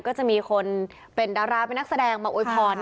ก็จะมีคนเป็นดาราเป็นนักแสดงมาอวยพร